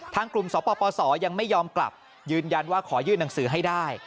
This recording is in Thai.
ทางกลุ่มสปสยังไม่ยอมกลับยืนยันว่าขอยื่นหนังสือให้ได้